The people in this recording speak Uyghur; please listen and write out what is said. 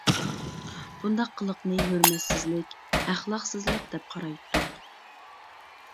بۇنداق قىلىقنى ھۆرمەتسىزلىك، ئەخلاقسىزلىق دەپ قارايتتۇق.